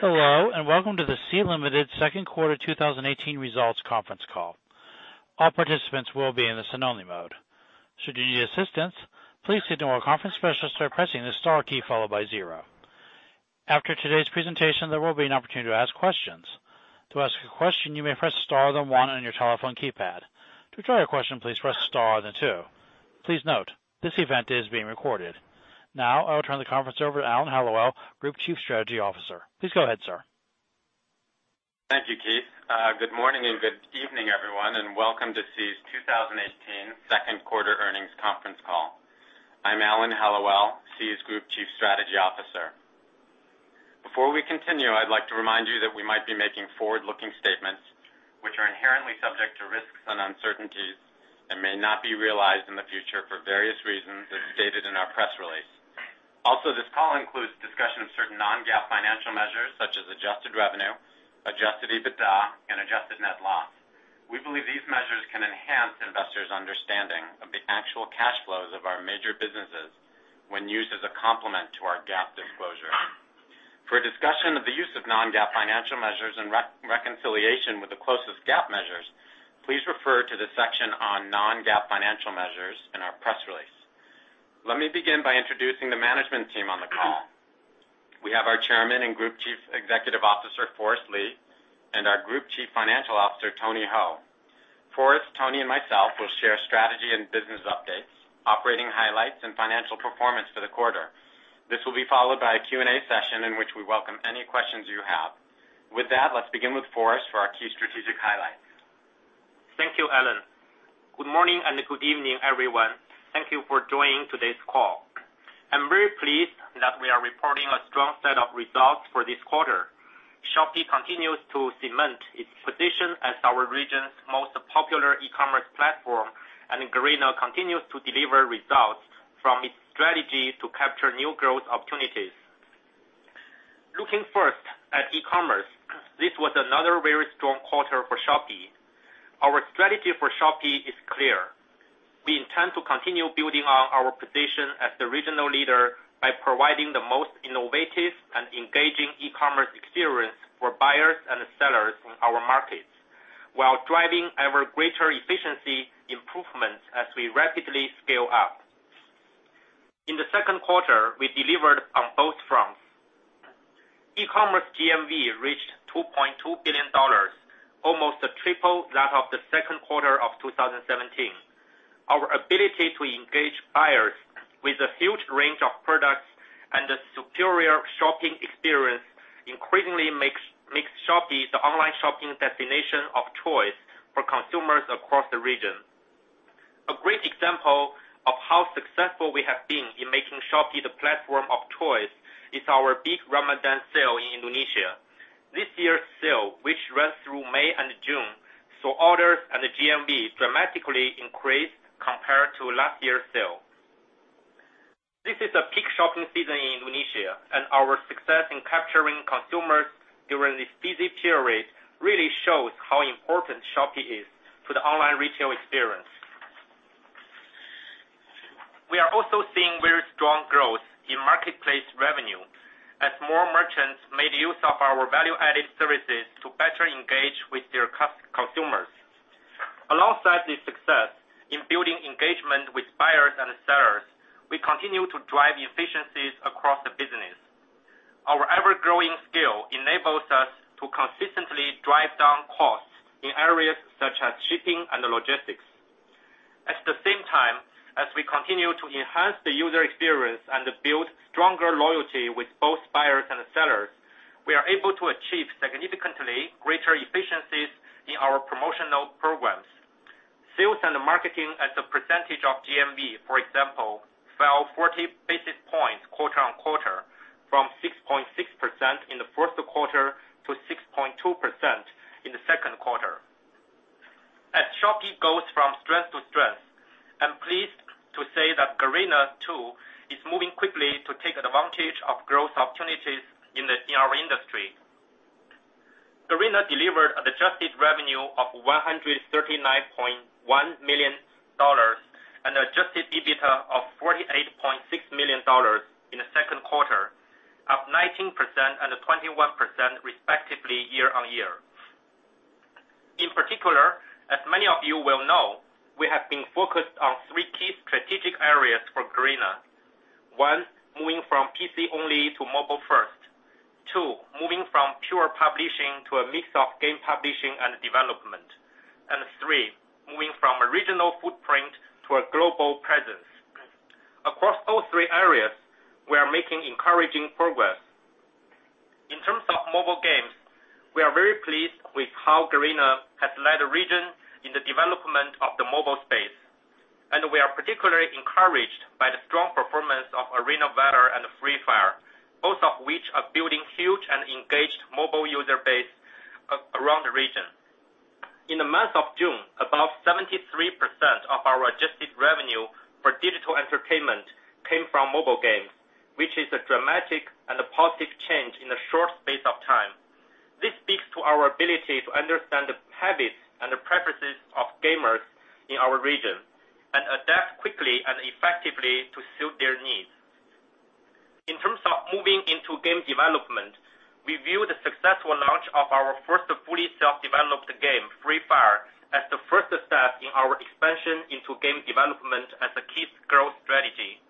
Hello, welcome to the Sea Limited second quarter 2018 results conference call. All participants will be in the listen-only mode. Should you need assistance, please signal a conference specialist by pressing the star key followed by 0. After today's presentation, there will be an opportunity to ask questions. To ask a question, you may press star, then 1 on your telephone keypad. To withdraw your question, please press star, then 2. Please note, this event is being recorded. I will turn the conference over to Alan Hellawell, Group Chief Strategy Officer. Please go ahead, sir. Thank you, Keith. Good morning and good evening, everyone, welcome to Sea's 2018 second quarter earnings conference call. I'm Alan Hellawell, Sea's Group Chief Strategy Officer. Before we continue, I'd like to remind you that we might be making forward-looking statements which are inherently subject to risks and uncertainties, and may not be realized in the future for various reasons as stated in our press release. This call includes discussion of certain non-GAAP financial measures such as adjusted revenue, adjusted EBITDA, and adjusted net loss. We believe these measures can enhance investors' understanding of the actual cash flows of our major businesses when used as a complement to our GAAP disclosure. For a discussion of the use of non-GAAP financial measures and reconciliation with the closest GAAP measures, please refer to the section on non-GAAP financial measures in our press release. Let me begin by introducing the management team on the call. We have our Chairman and Group Chief Executive Officer, Forrest Li, and our Group Chief Financial Officer, Tony Hou. Forrest, Tony, and myself will share strategy and business updates, operating highlights, and financial performance for the quarter. This will be followed by a Q&A session in which we welcome any questions you have. Let's begin with Forrest for our key strategic highlights. Thank you, Alan. Good morning and good evening, everyone. Thank you for joining today's call. I'm very pleased that we are reporting a strong set of results for this quarter. Shopee continues to cement its position as our region's most popular e-commerce platform, Garena continues to deliver results from its strategy to capture new growth opportunities. Looking first at e-commerce, this was another very strong quarter for Shopee. Our strategy for Shopee is clear. We intend to continue building on our position as the regional leader by providing the most innovative and engaging e-commerce experience for buyers and sellers in our markets, while driving ever greater efficiency improvements as we rapidly scale up. In the second quarter, we delivered on both fronts. E-commerce GMV reached $2.2 billion, almost triple that of the second quarter of 2017. Our ability to engage buyers with a huge range of products and a superior shopping experience increasingly makes Shopee the online shopping destination of choice for consumers across the region. A great example of how successful we have been in making Shopee the platform of choice is our big Ramadan sale in Indonesia. This year's sale, which ran through May and June, saw orders and the GMV dramatically increase compared to last year's sale. This is a peak shopping season in Indonesia, and our success in capturing consumers during this busy period really shows how important Shopee is to the online retail experience. We are also seeing very strong growth in marketplace revenue as more merchants made use of our value-added services to better engage with their consumers. Alongside this success in building engagement with buyers and sellers, we continue to drive efficiencies across the business. Our ever-growing scale enables us to consistently drive down costs in areas such as shipping and logistics. At the same time, as we continue to enhance the user experience and build stronger loyalty with both buyers and sellers, we are able to achieve significantly greater efficiencies in our promotional programs. Sales and marketing as a percentage of GMV, for example, fell 40 basis points quarter-on-quarter, from 6.6% in the first quarter to 6.2% in the second quarter. As Shopee goes from strength to strength, I'm pleased to say that Garena too is moving quickly to take advantage of growth opportunities in our industry. Garena delivered adjusted revenue of $139.1 million and adjusted EBITDA of $48.6 million in the second quarter, up 19% and 21% respectively year-on-year. In particular, as many of you will know, we have been focused on three key strategic areas for Garena. One, moving from PC only to mobile first. Two, moving from pure publishing to a mix of game publishing and development. Three, moving from a regional footprint to a global presence. Across all three areas, we are making encouraging progress. In terms of mobile games, we are very pleased with how Garena has led the region in the development of the mobile space, and we are particularly encouraged by the strong performance of Arena of Valor and Free Fire, both of which are building huge and engaged mobile user base around the region. In the month of June, above 73% of our adjusted revenue for digital entertainment came from mobile games, which is a dramatic and a positive change in the short space of time. Ability to understand the habits and the preferences of gamers in our region and adapt quickly and effectively to suit their needs. In terms of moving into game development, we view the successful launch of our first fully self-developed game, Free Fire, as the first step in our expansion into game development as a key growth strategy.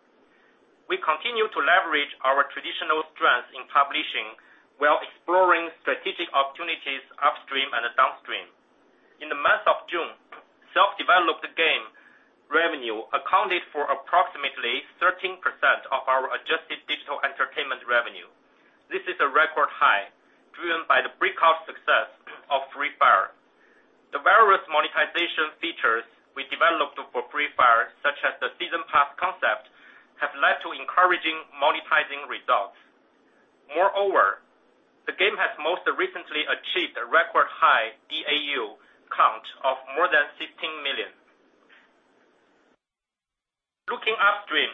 We continue to leverage our traditional strength in publishing while exploring strategic opportunities upstream and downstream. In the month of June, self-developed game revenue accounted for approximately 13% of our adjusted digital entertainment revenue. This is a record high driven by the breakout success of Free Fire. The various monetization features we developed for Free Fire, such as the season pass concept, have led to encouraging monetizing results. Moreover, the game has most recently achieved a record high DAU count of more than 16 million. Looking upstream,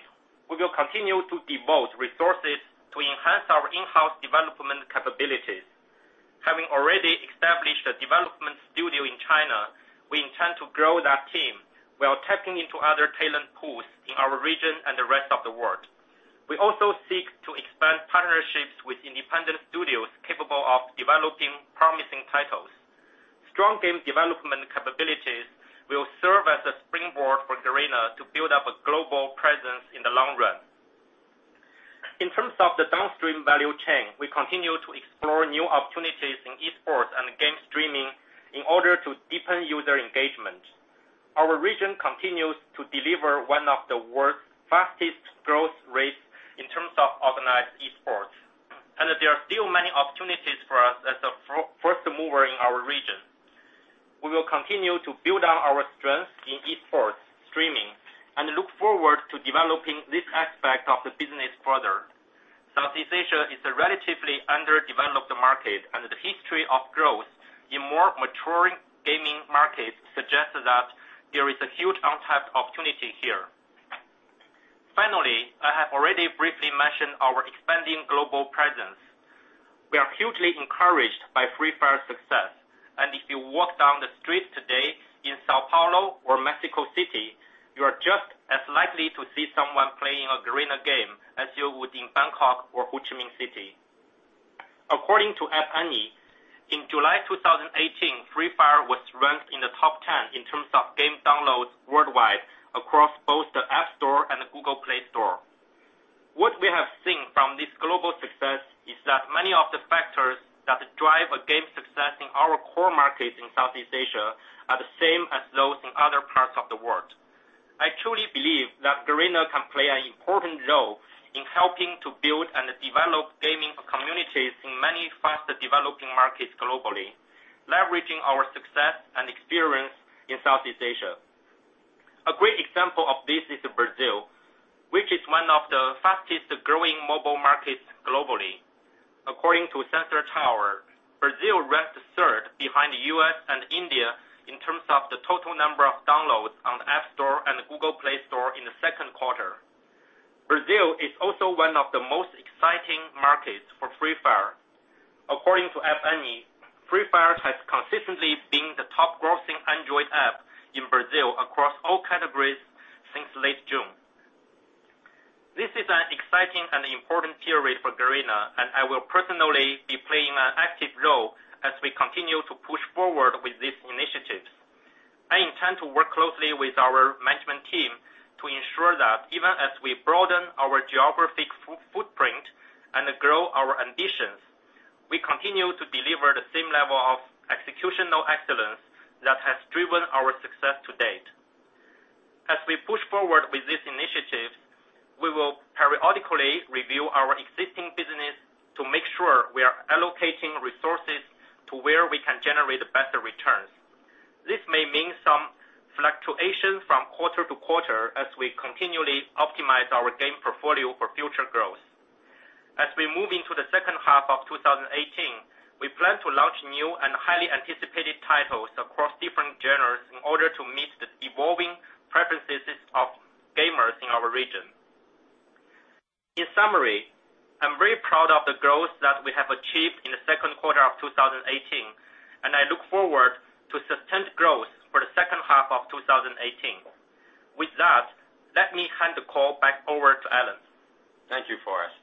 we will continue to devote resources to enhance our in-house development capabilities. Having already established a development studio in China, we intend to grow that team while tapping into other talent pools in our region and the rest of the world. We also seek to expand partnerships with independent studios capable of developing promising titles. Strong game development capabilities will serve as a springboard for Garena to build up a global presence in the long run. In terms of the downstream value chain, we continue to explore new opportunities in esports and game streaming in order to deepen user engagement. Our region continues to deliver one of the world's fastest growth rates in terms of organized esports. There are still many opportunities for us as a first mover in our region. We will continue to build on our strength in esports streaming and look forward to developing this aspect of the business further. Southeast Asia is a relatively underdeveloped market. The history of growth in more maturing gaming markets suggests that there is a huge untapped opportunity here. Finally, I have already briefly mentioned our expanding global presence. We are hugely encouraged by Free Fire's success. If you walk down the street today in São Paulo or Mexico City, you are just as likely to see someone playing a Garena game as you would in Bangkok or Ho Chi Minh City. According to App Annie, in July 2018, Free Fire was ranked in the top 10 in terms of game downloads worldwide across both the App Store and the Google Play Store. What we have seen from this global success is that many of the factors that drive a game's success in our core markets in Southeast Asia are the same as those in other parts of the world. I truly believe that Garena can play an important role in helping to build and develop gaming communities in many faster-developing markets globally, leveraging our success and experience in Southeast Asia. A great example of this is Brazil, which is one of the fastest-growing mobile markets globally. According to Sensor Tower, Brazil ranked third behind the U.S. and India in terms of the total number of downloads on the App Store and the Google Play Store in the second quarter. Brazil is also one of the most exciting markets for Free Fire. According to App Annie, Free Fire has consistently been the top grossing Android app in Brazil across all categories since late June. This is an exciting and important period for Garena, and I will personally be playing an active role as we continue to push forward with these initiatives. I intend to work closely with our management team to ensure that even as we broaden our geographic footprint and grow our ambitions, we continue to deliver the same level of executional excellence that has driven our success to date. As we push forward with these initiatives, we will periodically review our existing business to make sure we are allocating resources to where we can generate better returns. This may mean some fluctuation from quarter to quarter as we continually optimize our game portfolio for future growth. As we move into the second half of 2018, we plan to launch new and highly anticipated titles across different genres in order to meet the evolving preferences of gamers in our region. In summary, I'm very proud of the growth that we have achieved in the second quarter of 2018, and I look forward to sustained growth for the second half of 2018. With that, let me hand the call back over to Alan. Thank you, Forrest.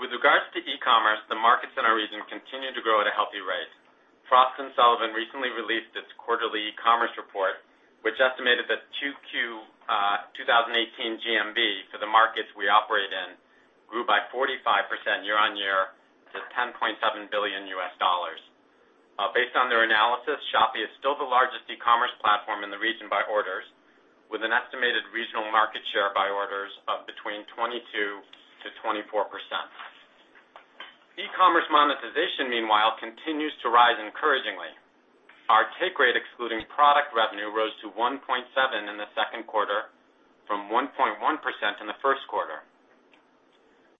With regards to e-commerce, the markets in our region continue to grow at a healthy rate. Frost & Sullivan recently released its quarterly e-commerce report, which estimated that 2Q 2018 GMV for the markets we operate in grew by 45% year-on-year to $10.7 billion. Based on their analysis, Shopee is still the largest e-commerce platform in the region by orders, with an estimated regional market share by orders of between 22%-24%. E-commerce monetization, meanwhile, continues to rise encouragingly. Our take rate excluding product revenue rose to 1.7 in the second quarter from 1.1% in the first quarter.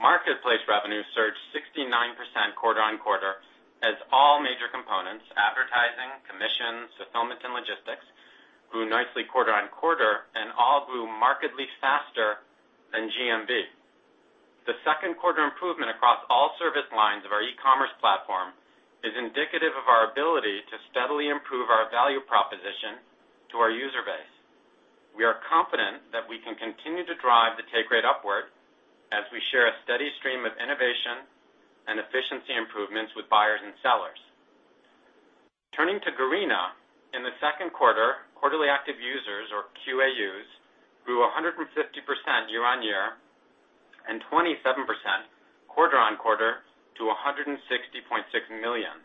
Marketplace revenue surged 69% quarter-on-quarter as all major components, advertising, commission, fulfillment, and logistics, grew nicely quarter-on-quarter and all grew markedly faster than GMV. The second quarter improvement across all service lines of our e-commerce platform is indicative of our ability to steadily improve our value proposition to our user base. We are confident that we can continue to drive the take rate upward as we share a steady stream of innovation and efficiency improvements with buyers and sellers. Turning to Garena, in the second quarter, Quarterly Active Users, or QAUs, grew 150% year-on-year and 27% quarter-on-quarter to 160.6 million.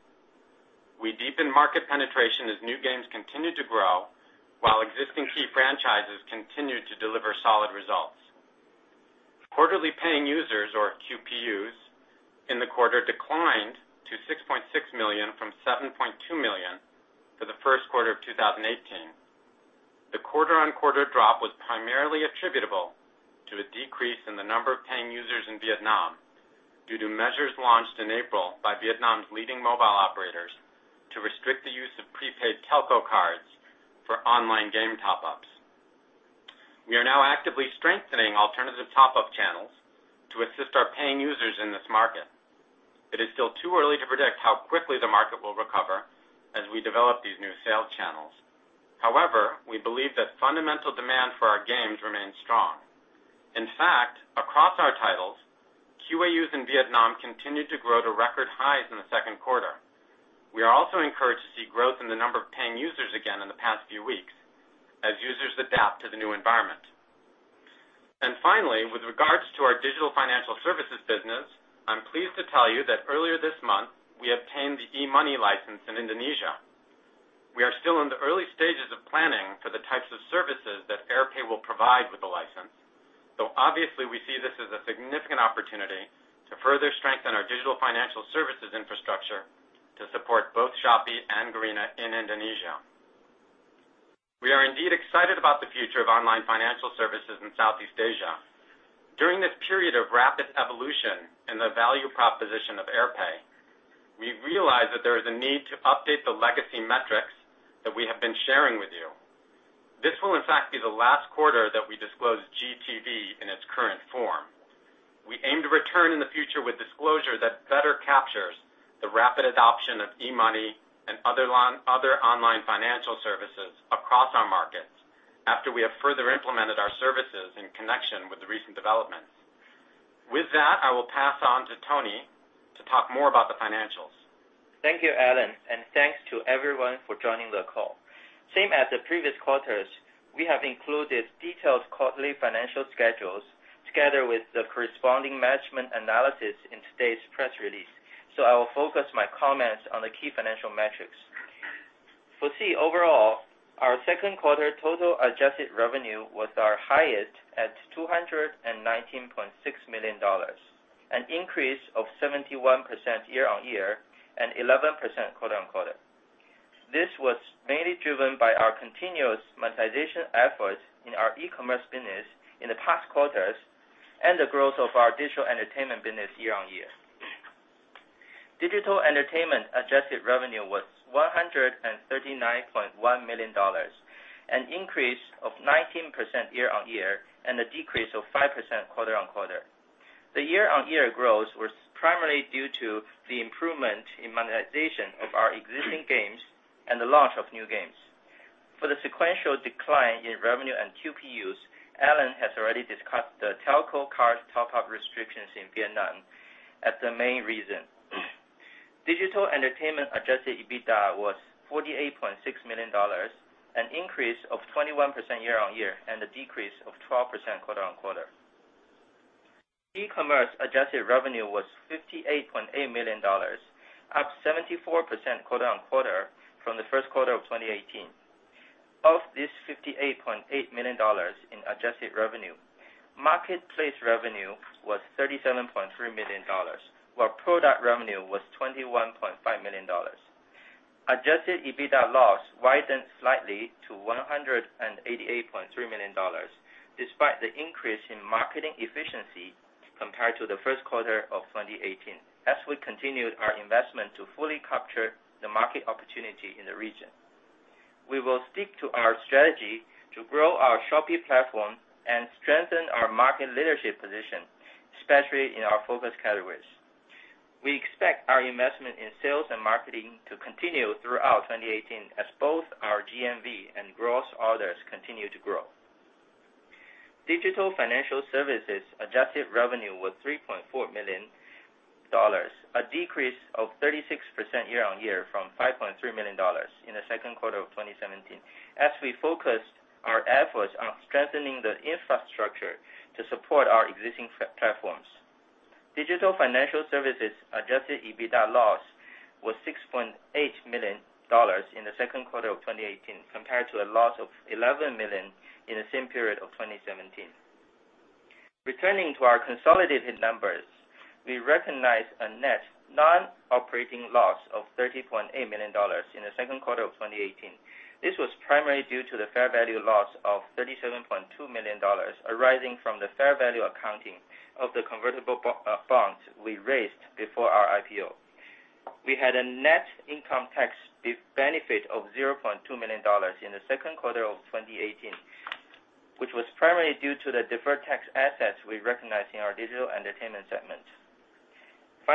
We deepened market penetration as new games continued to grow, while existing key franchises continued to deliver solid results. Quarterly Paying Users, or QPUs, in the quarter declined to 6.6 million from 7.2 million for the first quarter of 2018. The quarter-on-quarter drop was primarily attributable to a decrease in the number of paying users in Vietnam due to measures launched in April by Vietnam's leading mobile operators to restrict the use of prepaid telco cards for online game top-ups. We are now actively strengthening alternative top-up channels to assist our paying users in this market. It is still too early to predict how quickly the market will recover as we develop these new sales channels. However, we believe that fundamental demand for our games remains strong. In fact, across our titles, QAUs in Vietnam continued to grow to record highs in the second quarter. We are also encouraged to see growth in the number of paying users again in the past few weeks as users adapt to the new environment. Finally, with regards to our digital financial services business, I'm pleased to tell you that earlier this month, we obtained the e-money license in Indonesia. We are still in the early stages of planning for the types of services that AirPay will provide with the license. Obviously, we see this as a significant opportunity to further strengthen our digital financial services infrastructure to support both Shopee and Garena in Indonesia. We are indeed excited about the future of online financial services in Southeast Asia. During this period of rapid evolution in the value proposition of AirPay, we've realized that there is a need to update the legacy metrics that we have been sharing with you. This will, in fact, be the last quarter that we disclose GTV in its current form. We aim to return in the future with disclosure that better captures the rapid adoption of e-money and other online financial services across our markets after we have further implemented our services in connection with the recent developments. With that, I will pass on to Tony to talk more about the financials. Thank you, Alan, and thanks to everyone for joining the call. Same as the previous quarters, we have included detailed quarterly financial schedules together with the corresponding management analysis in today's press release. I will focus my comments on the key financial metrics. For Sea overall, our second quarter total adjusted revenue was our highest at $219.6 million, an increase of 71% year-on-year and 11% quarter-on-quarter. This was mainly driven by our continuous monetization efforts in our e-commerce business in the past quarters and the growth of our digital entertainment business year-on-year. Digital entertainment adjusted revenue was $139.1 million, an increase of 19% year-on-year and a decrease of 5% quarter-on-quarter. The year-on-year growth was primarily due to the improvement in monetization of our existing games and the launch of new games. For the sequential decline in revenue and QPUs, Alan has already discussed the telco card top-up restrictions in Vietnam as the main reason. Digital entertainment adjusted EBITDA was $48.6 million, an increase of 21% year-on-year and a decrease of 12% quarter-on-quarter. E-commerce adjusted revenue was $58.8 million, up 74% quarter-on-quarter from the first quarter of 2018. Of this $58.8 million in adjusted revenue, marketplace revenue was $37.3 million, while product revenue was $21.5 million. Adjusted EBITDA loss widened slightly to $188.3 million, despite the increase in marketing efficiency compared to the first quarter of 2018, as we continued our investment to fully capture the market opportunity in the region. We will stick to our strategy to grow our Shopee platform and strengthen our market leadership position, especially in our focus categories. We expect our investment in sales and marketing to continue throughout 2018 as both our GMV and gross orders continue to grow. Digital financial services adjusted revenue was $3.4 million, a decrease of 36% year-on-year from $5.3 million in the second quarter of 2017, as we focused our efforts on strengthening the infrastructure to support our existing platforms. Digital financial services adjusted EBITDA loss was $6.8 million in the second quarter of 2018, compared to a loss of $11 million in the same period of 2017. Returning to our consolidated numbers, we recognized a net non-operating loss of $30.8 million in the second quarter of 2018. This was primarily due to the fair value loss of $37.2 million arising from the fair value accounting of the convertible bonds we raised before our IPO.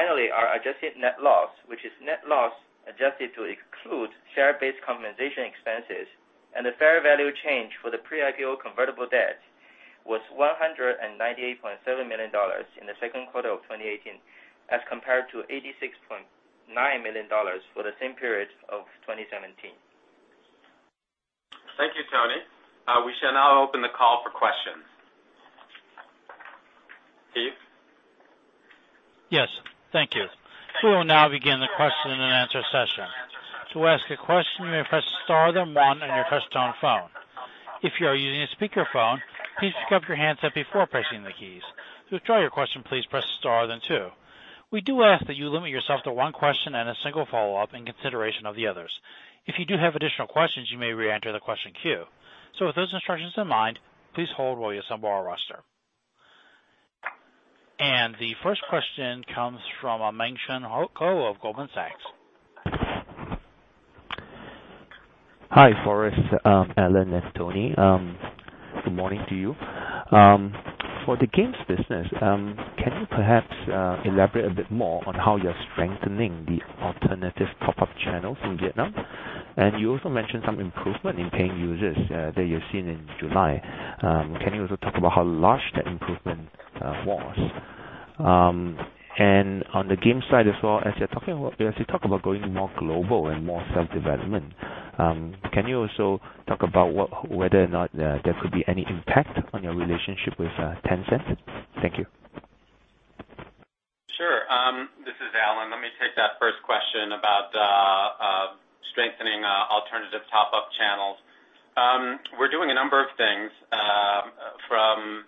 Our adjusted net loss, which is net loss adjusted to exclude share-based compensation expenses and the fair value change for the pre-IPO convertible debt, was $198.7 million in the second quarter of 2018 as compared to $86.9 million for the same period of 2017. Thank you, Tony. We shall now open the call for questions. Steve? Yes. Thank you. We will now begin the question and answer session. To ask a question, you may press star, then one on your touchtone phone. If you are using a speakerphone, please pick up your handset before pressing the keys. To withdraw your question, please press star, then two. We do ask that you limit yourself to one question and a single follow-up in consideration of the others. If you do have additional questions, you may reenter the question queue. With those instructions in mind, please hold while we assemble our roster. The first question comes from Mang Chen Khor of Goldman Sachs. Hi, Forrest, Alan, and Tony. Good morning to you. For the games business, can you perhaps elaborate a bit more on how you're strengthening the alternative top-up channels in Vietnam? You also mentioned some improvement in paying users that you're seeing in July. Can you also talk about how large that improvement was? On the game side as well, as you talk about going more global and more self-development, can you also talk about whether or not there could be any impact on your relationship with Tencent? Thank you. Sure. This is Alan. Let me take that first question about strengthening alternative top-up channels. We're doing a number of things from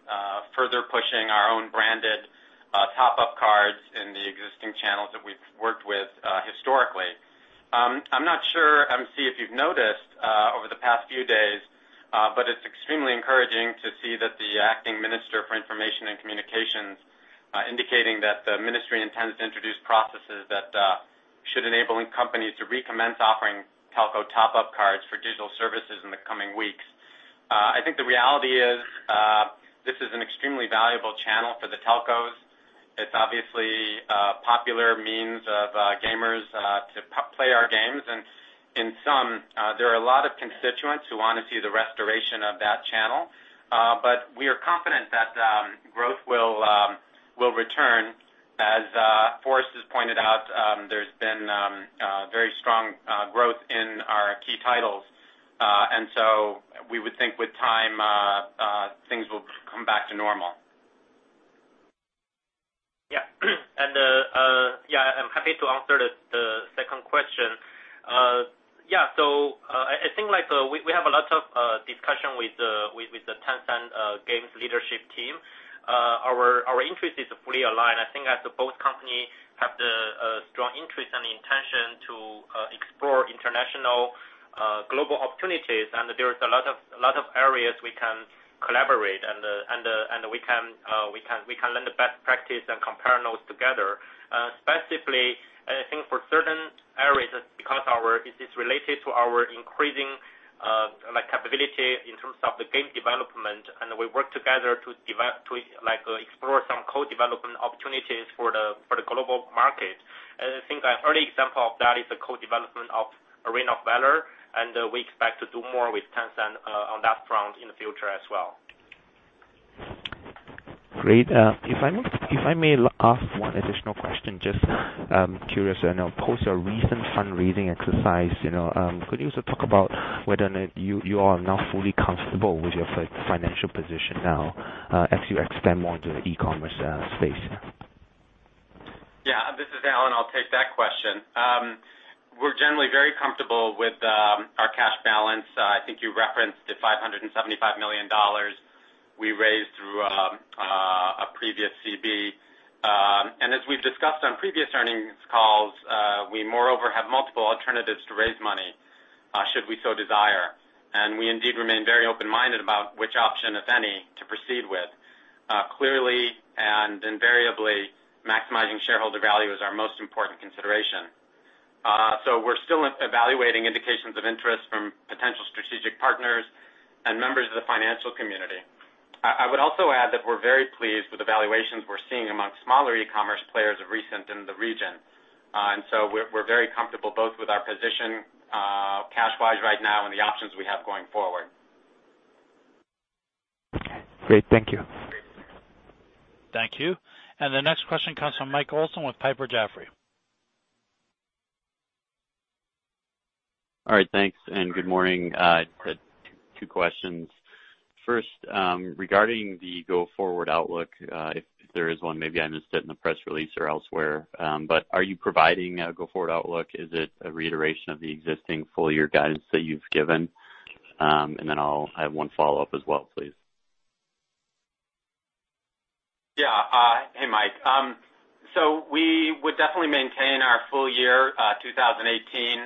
further pushing our own branded top-up cards in the existing channels that we've worked with historically. I'm not sure, I don't see if you've noticed over the past few days, but it's extremely encouraging to see that the acting Minister for Information and Communications indicating that the ministry intends to introduce processes that should enable companies to recommence offering telco top-up cards for digital services in the coming weeks. I think the reality is this is an extremely valuable channel for the telcos. It's obviously a popular means of gamers to play our games. In sum, there are a lot of constituents who want to see the restoration of that channel. We are confident that growth will return. As Forrest has pointed out, there's been very strong growth in our key titles. We would think with time things will come back to normal. Yeah. I'm happy to answer the second question. I think we have a lot of discussion with the Tencent games leadership team. Our interest is fully aligned. I think as both companies have the strong interest and intention to explore international global opportunities, there is a lot of areas we can collaborate and we can learn the best practice and compare notes together. Specifically, I think for certain areas, because it is related to our increasing capability in terms of the game development, we work together to explore some co-development opportunities for the global market. I think an early example of that is the co-development of Arena of Valor, we expect to do more with Tencent on that front in the future as well. Great. If I may ask one additional question, just curious. I know post your recent fundraising exercise, could you also talk about whether or not you are now fully comfortable with your financial position now as you expand more into the e-commerce space? Yeah. This is Alan. I'll take that question. We're generally very comfortable with our cash balance. I think you referenced the $575 million we raised through a previous CB. As we've discussed on previous earnings calls, we moreover have multiple alternatives to raise money should we so desire. We indeed remain very open-minded about which option, if any, to proceed with. Clearly and invariably, maximizing shareholder value is our most important consideration. We're still evaluating indications of interest from potential strategic partners and members of the financial community. I would also add that we're very pleased with the valuations we're seeing amongst smaller e-commerce players of recent in the region. We're very comfortable both with our position cash-wise right now and the options we have going forward. Great. Thank you. Thank you. The next question comes from Michael Olson with Piper Jaffray. Thanks, and good morning. I had two questions. First, regarding the go-forward outlook, if there is one, maybe I missed it in the press release or elsewhere, are you providing a go-forward outlook? Is it a reiteration of the existing full-year guidance that you've given? I have one follow-up as well, please. Yeah. Hey, Mike. We would definitely maintain our full year 2018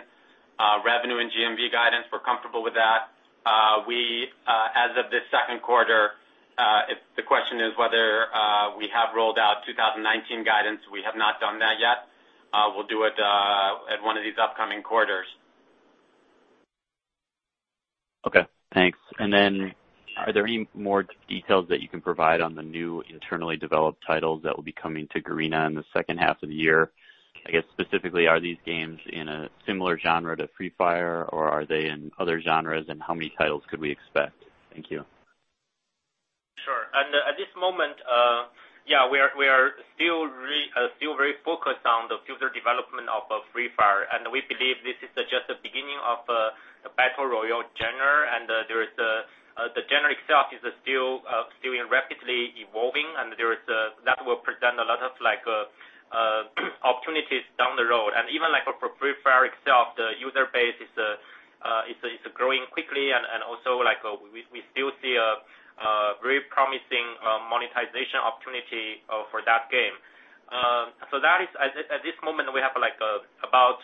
revenue and GMV guidance. We're comfortable with that. Second quarter. If the question is whether we have rolled out 2019 guidance, we have not done that yet. We'll do it at one of these upcoming quarters. Okay, thanks. Are there any more details that you can provide on the new internally developed titles that will be coming to Garena in the second half of the year? I guess specifically, are these games in a similar genre to "Free Fire," or are they in other genres, and how many titles could we expect? Thank you. Sure. At this moment, yeah, we are still very focused on the future development of "Free Fire." We believe this is just the beginning of the battle royale genre. The genre itself is still rapidly evolving, that will present a lot of opportunities down the road. Even for "Free Fire" itself, the user base is growing quickly, we still see a very promising monetization opportunity for that game. At this moment, we have about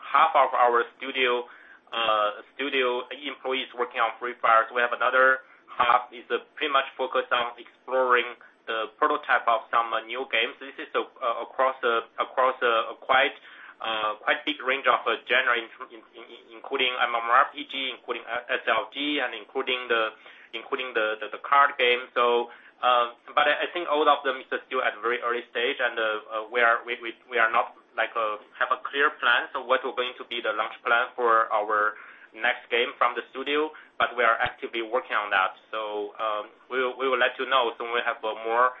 half of our studio employees working on "Free Fire." We have another half is pretty much focused on exploring the prototype of some new games. This is across a quite big range of genre, including MMORPG, including SLG, including the card game. I think all of them is still at very early stage, and we are not have a clear plan of what is going to be the launch plan for our next game from the studio, but we are actively working on that. We will let you know when we have a more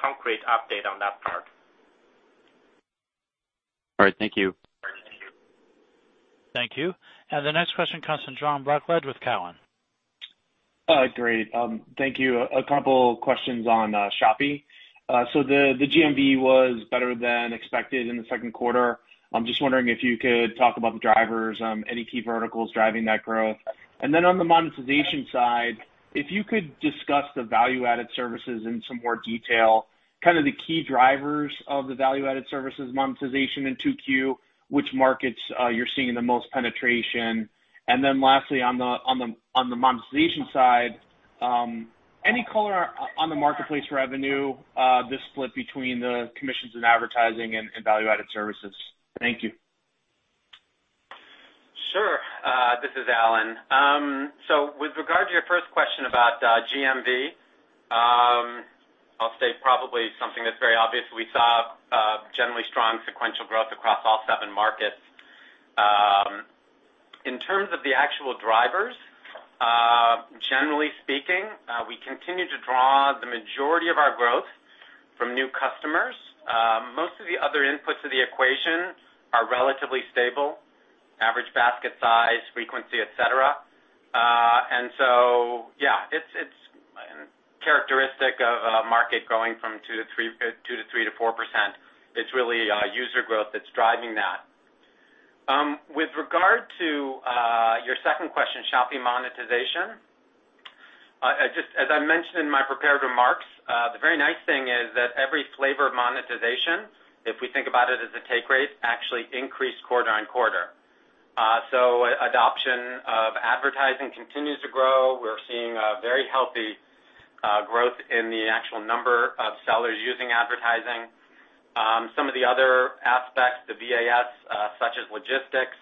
concrete update on that part. All right. Thank you. Thank you. Thank you. The next question comes from John Blackledge with Cowen. Great. Thank you. A couple questions on Shopee. The GMV was better than expected in the second quarter. I'm just wondering if you could talk about the drivers, any key verticals driving that growth. Then on the monetization side, if you could discuss the value-added services in some more detail, kind of the key drivers of the value-added services monetization in 2Q, which markets you're seeing the most penetration. And then lastly, on the monetization side, any color on the marketplace revenue, the split between the commissions and advertising and value-added services? Thank you. Sure. This is Alan Hellawell. With regard to your first question about GMV, I'll state probably something that's very obvious. We saw generally strong sequential growth across all seven markets. In terms of the actual drivers, generally speaking, we continue to draw the majority of our growth from new customers. Most of the other inputs to the equation are relatively stable, average basket size, frequency, et cetera. Yeah, it's characteristic of a market growing from 2% to 3% to 4%. It's really user growth that's driving that. With regard to your second question, Shopee monetization. As I mentioned in my prepared remarks, the very nice thing is that every flavor of monetization, if we think about it as a take rate, actually increased quarter-on-quarter. Adoption of advertising continues to grow. We're seeing a very healthy growth in the actual number of sellers using advertising. Some of the other aspects, the VAS, such as logistics,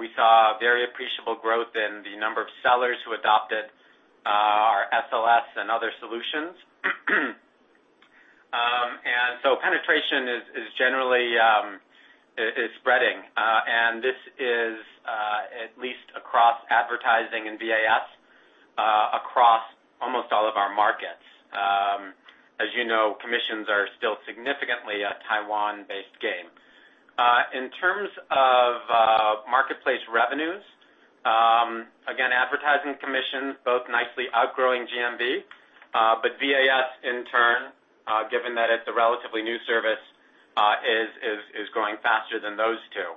we saw very appreciable growth in the number of sellers who adopted our SLS and other solutions. Penetration is generally spreading. This is at least across advertising and VAS, across almost all of our markets. As you know, commissions are still significantly a Taiwan-based game. In terms of marketplace revenues, again, advertising commissions, both nicely outgrowing GMV. VAS in turn, given that it's a relatively new service, is growing faster than those two.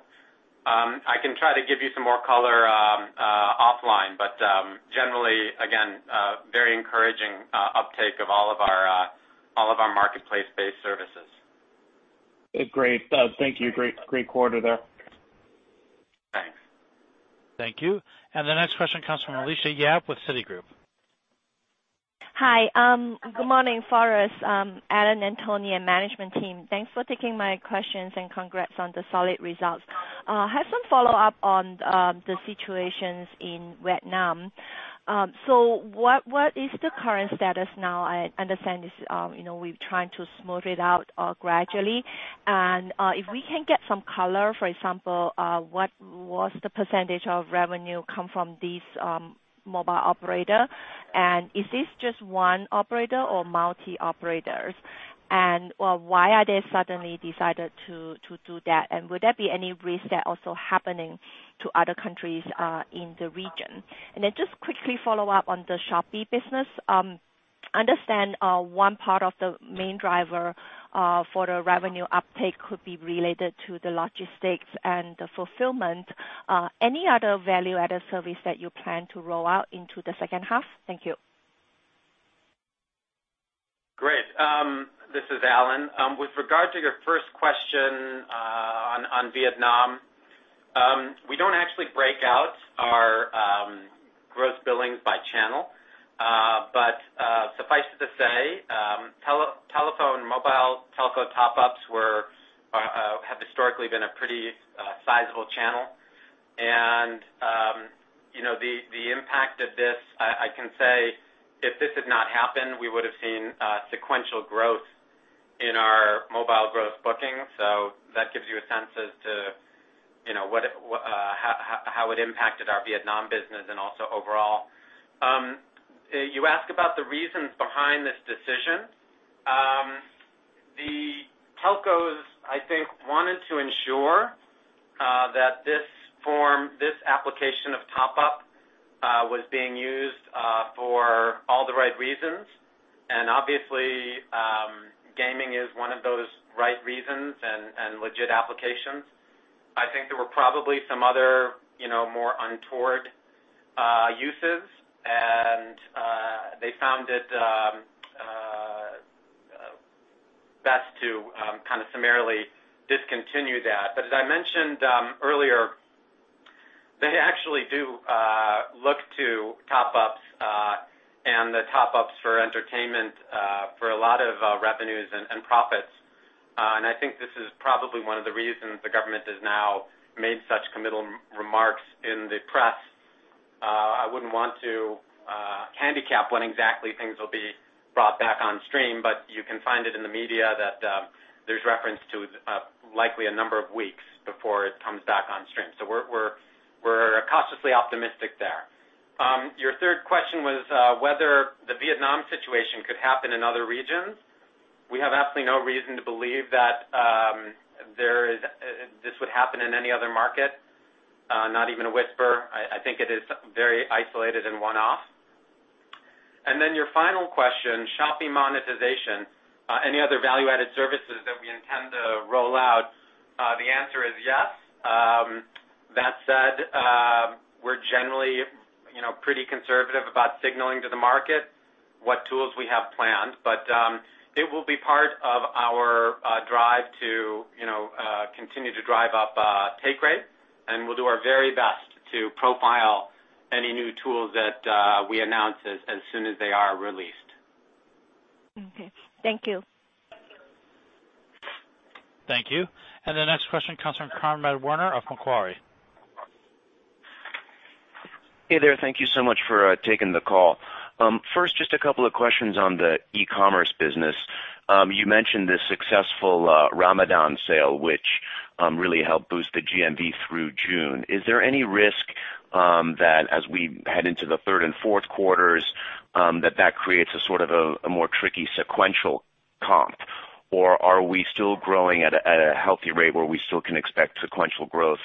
I can try to give you some more color offline, but generally, again, very encouraging uptake of all of our marketplace-based services. Great. Thank you. Great quarter there. Thanks. Thank you. The next question comes from Alicia Yap with Citigroup. Hi. Good morning, Forrest, Alan, and Tony, and management team. Thanks for taking my questions and congrats on the solid results. I have some follow-up on the situations in Vietnam. What is the current status now? I understand we're trying to smooth it out gradually. If we can get some color, for example, what was the percentage of revenue come from this mobile operator, and is this just one operator or multi operators? Why are they suddenly decided to do that? Would there be any risk that also happening to other countries in the region? Just quickly follow up on the Shopee business. Understand one part of the main driver for the revenue uptake could be related to the logistics and the fulfillment. Any other value-added service that you plan to roll out into the second half? Thank you. Great. This is Alan. With regard to your first question on Vietnam, we don't actually break out our gross billings by channel. Suffice it to say, telephone mobile telco top-ups have historically been a pretty sizable channel. The impact of this, I can say, if this had not happened, we would have seen sequential growth in our mobile growth booking. That gives you a sense as to how it impacted our Vietnam business and also overall. You ask about the reasons behind this decision. The telcos, I think, wanted to ensure that this application of top up was being used for all the right reasons. Obviously, gaming is one of those right reasons and legit applications. I think there were probably some other more untoward uses and they found it best to summarily discontinue that. As I mentioned earlier, they actually do look to top ups and the top ups for entertainment for a lot of revenues and profits. I think this is probably one of the reasons the government has now made such committal remarks in the press. I wouldn't want to handicap when exactly things will be brought back on stream, but you can find it in the media that there's reference to likely a number of weeks before it comes back on stream. We're cautiously optimistic there. Your third question was whether the Vietnam situation could happen in other regions. We have absolutely no reason to believe that this would happen in any other market. Not even a whisper. I think it is very isolated and one-off. Your final question, Shopee monetization. Any other value-added services that we intend to roll out? The answer is yes. That said, we're generally pretty conservative about signaling to the market what tools we have planned. It will be part of our drive to continue to drive up take rate, and we'll do our very best to profile any new tools that we announce as soon as they are released. Okay. Thank you. Thank you. The next question comes from Conrad Werner of Macquarie. Hey there. Thank you so much for taking the call. First, just a couple of questions on the e-commerce business. You mentioned the successful Ramadan sale, which really helped boost the GMV through June. Is there any risk that as we head into the third and fourth quarters, that creates a more tricky sequential comp? Or are we still growing at a healthy rate where we still can expect sequential growth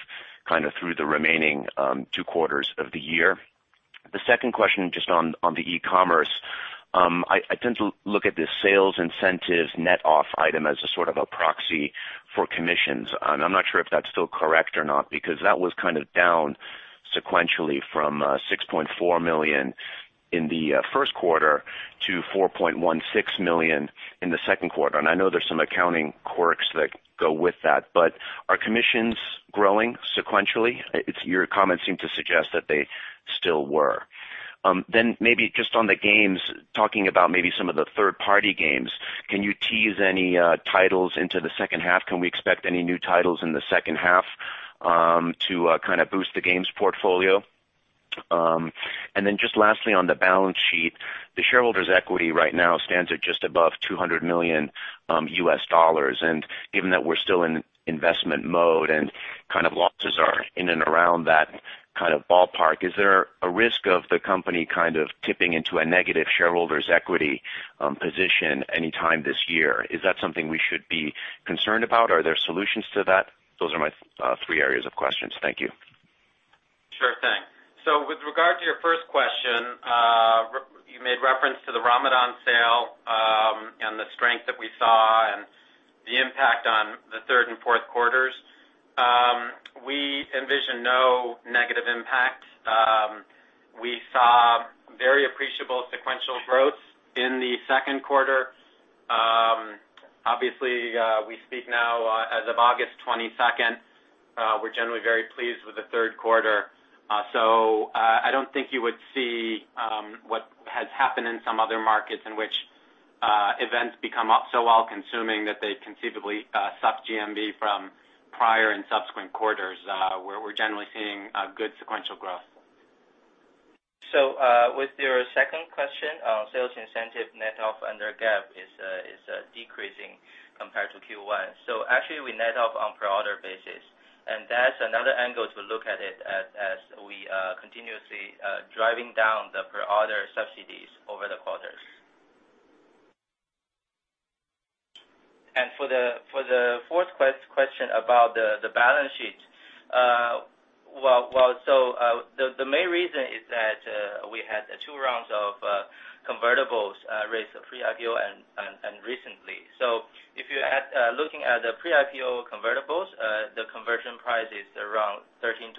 through the remaining two quarters of the year? The second question, just on the e-commerce. I tend to look at the sales incentives net-off item as a sort of a proxy for commissions. I'm not sure if that's still correct or not, because that was kind of down sequentially from $6.4 million in the first quarter to $4.16 million in the second quarter. I know there's some accounting quirks that go with that. Are commissions growing sequentially? Your comments seem to suggest that they still were. Maybe just on the games, talking about maybe some of the third-party games, can you tease any titles into the second half? Can we expect any new titles in the second half to kind of boost the games portfolio? Just lastly on the balance sheet, the shareholders' equity right now stands at just above $200 million. Given that we're still in investment mode and kind of losses are in and around that kind of ballpark, is there a risk of the company tipping into a negative shareholders' equity position anytime this year? Is that something we should be concerned about? Are there solutions to that? Those are my three areas of questions. Thank you. Sure thing. With regard to your first question, you made reference to the Ramadan sale, and the strength that we saw, and the impact on the third and fourth quarters. We envision no negative impact. We saw very appreciable sequential growth in the second quarter. Obviously, we speak now as of August 22nd. We're generally very pleased with the third quarter. I don't think you would see what has happened in some other markets in which events become so all-consuming that they conceivably suck GMV from prior and subsequent quarters. We're generally seeing good sequential growth. With your second question, sales incentive net off under GAAP is decreasing compared to Q1. Actually we net off on per order basis, and that's another angle to look at it as we are continuously driving down the per order subsidies over the quarters. For the fourth question about the balance sheet. The main reason is that we had two rounds of convertibles raised pre-IPO and recently. If you are looking at the pre-IPO convertibles, the conversion price is around $13-$14.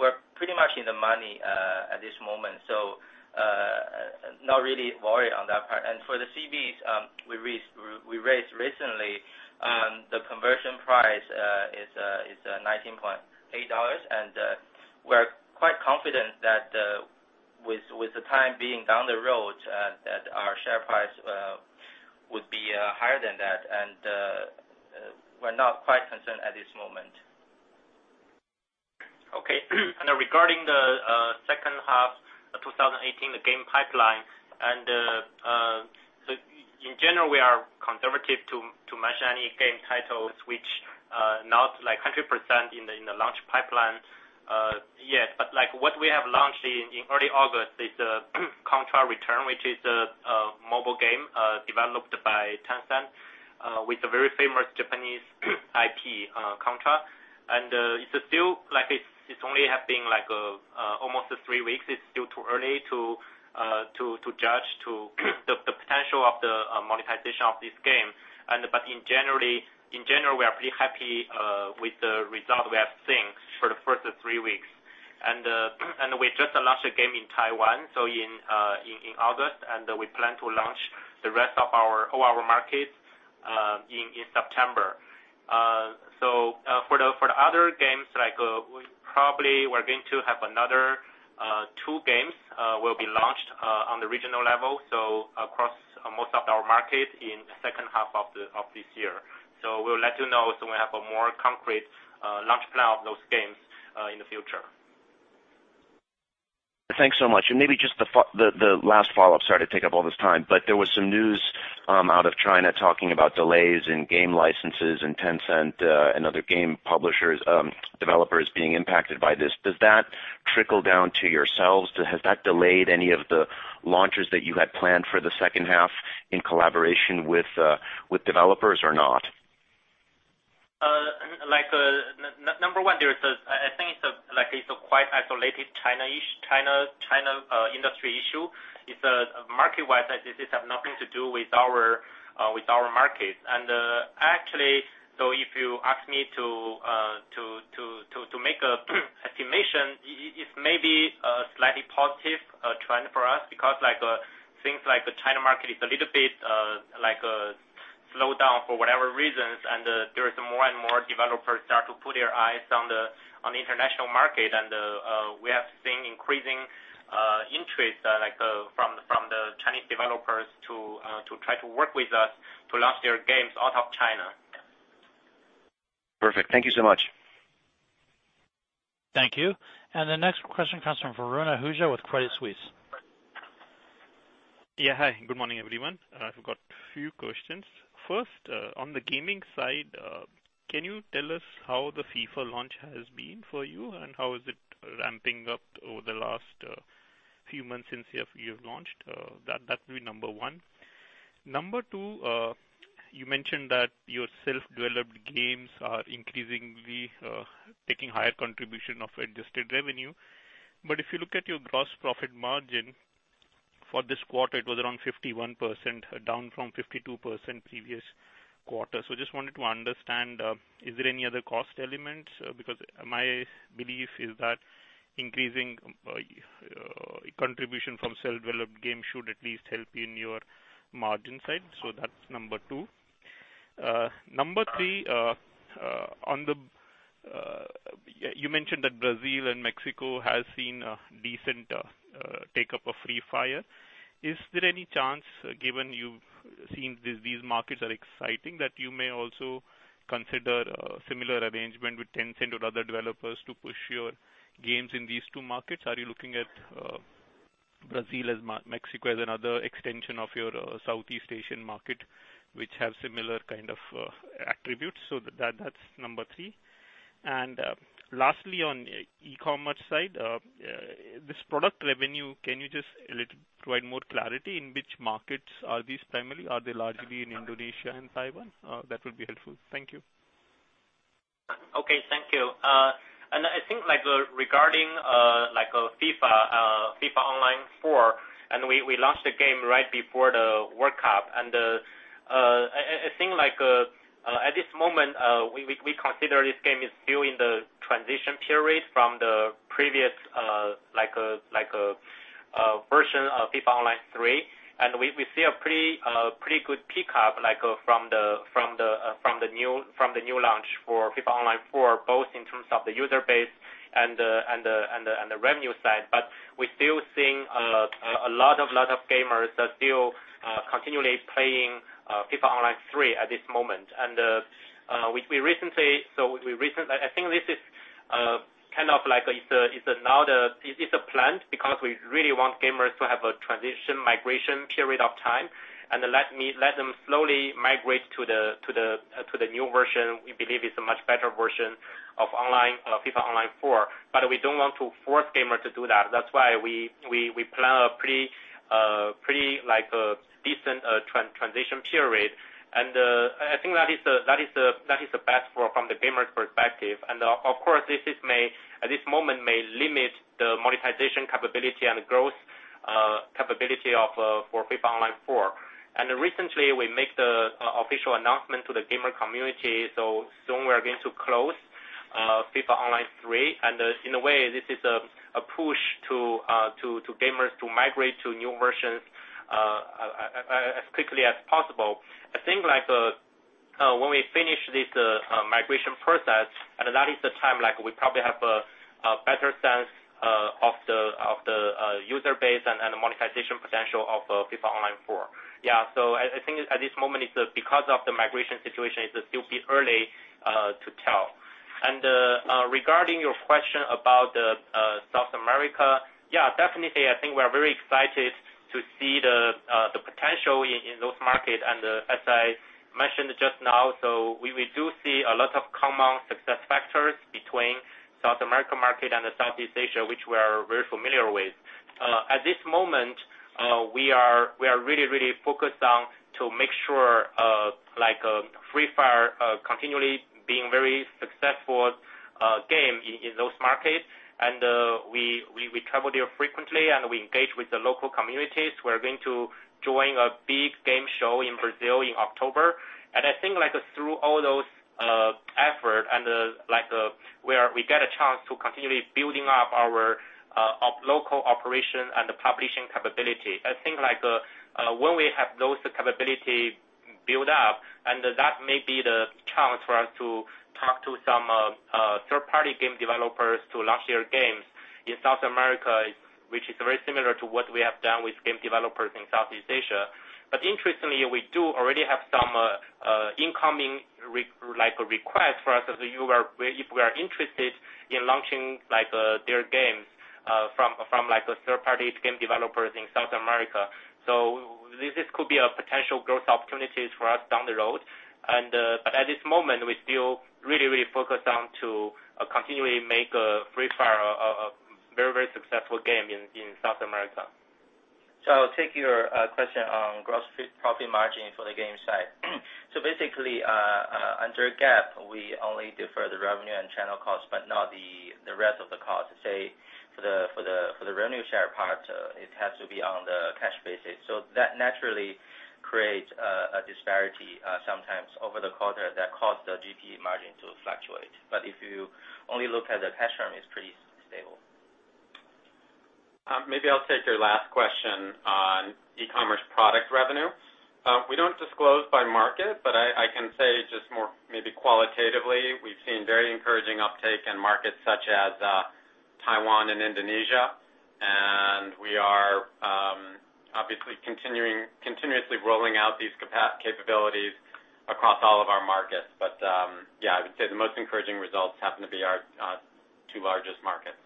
We're pretty much in the money at this moment, so not really worried on that part. For the CBs we raised recently, the conversion price is $19.80, and we are quite confident that with the time being down the road, that our share price would be higher than that. We're not quite concerned at this moment. Okay. Regarding the second half of 2018, the game pipeline, and in general, we are conservative to mention any game titles which are not 100% in the launch pipeline yet. What we have launched in early August is "Contra Returns," which is a mobile game developed by Tencent with a very famous Japanese IP, Contra. It's only been almost three weeks. It's still too early to judge the potential of the monetization of this game. In general, we are pretty happy with the result we have seen for the first three weeks. We just launched a game in Taiwan in August, and we plan to launch the rest of our markets in September. For the other games, probably we're going to have another two games will be launched on the regional level, across most of our markets in the second half of this year. We'll let you know when we have a more concrete launch plan of those games in the future. Thanks so much. Maybe just the last follow-up. Sorry to take up all this time, there was some news out of China talking about delays in game licenses and Tencent and other game publishers, developers being impacted by this. Does that trickle down to yourselves? Has that delayed any of the launches that you had planned for the second half in collaboration with developers or not? Number one, I think it's a quite isolated China industry issue. Market-wise, this has nothing to do with our markets. Actually, if you ask me to make a estimation, it's maybe a slightly positive trend for us because things like the China market is a little bit slowed down for whatever reasons, there is more and more developers start to put their eyes on the international market. We have seen increasing interest from the Chinese developers to try to work with us to launch their games out of China. Perfect. Thank you so much. Thank you. The next question comes from Varun Ahuja with Credit Suisse. Yeah. Hi, good morning, everyone. I've got a few questions. First, on the gaming side, can you tell us how the FIFA launch has been for you, and how is it ramping up over the last few months since you have launched? That will be number one. Number two, you mentioned that your self-developed games are increasingly taking higher contribution of adjusted revenue, but if you look at your gross profit margin for this quarter, it was around 51%, down from 52% previous quarter. Just wanted to understand, is there any other cost elements? Because my belief is that increasing contribution from self-developed games should at least help in your margin side. That's number two. Number three, you mentioned that Brazil and Mexico has seen a decent take-up of Free Fire. Is there any chance, given you've seen these markets are exciting, that you may also consider a similar arrangement with Tencent or other developers to push your games in these two markets? Are you looking at Brazil and Mexico as another extension of your Southeast Asian market, which have similar kind of attributes? That's number three. Lastly, on the e-commerce side, this product revenue, can you just provide more clarity in which markets are these primarily? Are they largely in Indonesia and Taiwan? That would be helpful. Thank you. Okay, thank you. I think regarding FIFA Online 4, and we launched the game right before the World Cup. I think at this moment we consider this game is still in the transition period from the previous version of FIFA Online 3. We see a pretty good pickup from the new launch for FIFA Online 4, both in terms of the user base and the revenue side. We're still seeing a lot of gamers that are still continually playing FIFA Online 3 at this moment. I think this is a plan because we really want gamers to have a transition migration period of time and let them slowly migrate to the new version. We believe it's a much better version of FIFA Online 4. We don't want to force gamers to do that. That's why we plan a pretty decent transition period. I think that is the best from the gamer's perspective. Of course, at this moment may limit the monetization capability and growth capability for FIFA Online 4. Recently, we make the official announcement to the gamer community, soon we are going to close FIFA Online 3. In a way, this is a push to gamers to migrate to new versions as quickly as possible. I think when we finish this migration process, that is the time we probably have a better sense of the user base and the monetization potential of FIFA Online 4. Yeah. I think at this moment, it's because of the migration situation, it's still a bit early to tell. Regarding your question about South America, yeah, definitely, I think we are very excited to see the potential in those markets. As I mentioned just now, we do see a lot of common success factors between South America market and Southeast Asia, which we are very familiar with. At this moment, we are really focused on to make sure Free Fire continually being very successful game in those markets. We travel there frequently, we engage with the local communities. We're going to join a big game show in Brazil in October. I think through all those effort and where we get a chance to continually building up our local operation and the publishing capability. I think when we have those capability build up and that may be the chance for us to talk to some third-party game developers to launch their games in South America, which is very similar to what we have done with game developers in Southeast Asia. Interestingly, we do already have some incoming requests for us as if we are interested in launching their games from third-party game developers in South America. This could be a potential growth opportunities for us down the road. At this moment, we're still really focused on to continually make Free Fire a very successful game in South America. I'll take your question on Gross Profit margin for the game side. Basically, under GAAP, we only defer the revenue and channel cost, but not the rest of the cost. Say, for the revenue share part, it has to be on the cash basis. That naturally creates a disparity, sometimes over the quarter that cause the GP margin to fluctuate. If you only look at the cash term, it's pretty stable. Maybe I'll take your last question on e-commerce product revenue. We don't disclose by market, but I can say just more maybe qualitatively, we've seen very encouraging uptake in markets such as Taiwan and Indonesia, and we are obviously continuously rolling out these capabilities across all of our markets. Yeah, I would say the most encouraging results happen to be our two largest markets.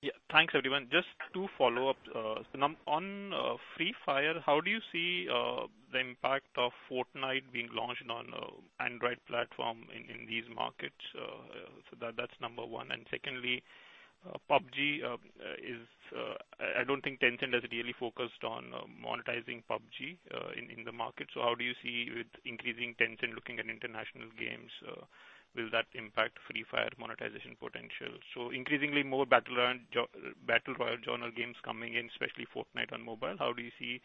Yeah. Thanks, everyone. Just two follow-ups. On Free Fire, how do you see the impact of Fortnite being launched on Android platform in these markets? That's number one. Secondly, PUBG, I don't think Tencent has really focused on monetizing PUBG in the market. How do you see with increasing Tencent looking at international games, will that impact Free Fire monetization potential? Increasingly more battle royale genre games coming in, especially Fortnite on mobile. How do you see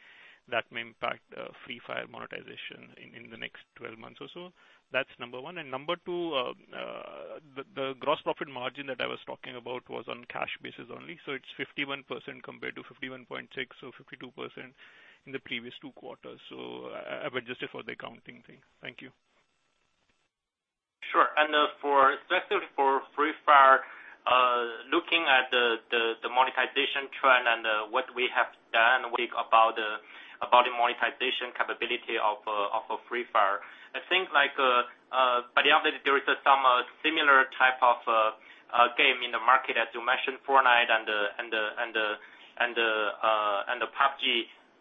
that may impact Free Fire monetization in the next 12 months or so? That's number one. Number two, the gross profit margin that I was talking about was on cash basis only. It's 51% compared to 51.6 or 52% in the previous two quarters. I would just defer the accounting thing. Thank you. Sure. Specifically for Free Fire, looking at the monetization trend and what we have done about the monetization capability of Free Fire. I think by the update, there is some similar type of game in the market, as you mentioned, Fortnite and the PUBG